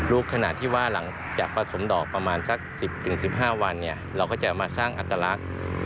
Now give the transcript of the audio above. ขณะที่ว่าหลังจากผสมดอกประมาณสัก๑๐๑๕วันเราก็จะมาสร้างอัตลักษณ์